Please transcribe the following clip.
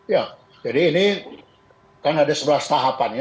ya jadi ini kan ada sebelas tahapan ya